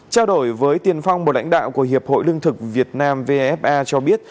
trao đổi với tiền phong một lãnh đạo của hiệp hội lương thực việt nam vfa cho biết